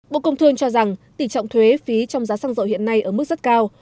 bộ công thương cho rằng tỷ trọng thuế phí trong giá xăng dầu hiện nay ở mức rất cao